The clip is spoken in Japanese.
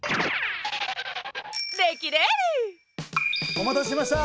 お待たせしました。